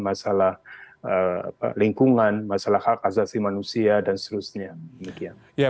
masalah lingkungan masalah hak asasi manusia dan seterusnya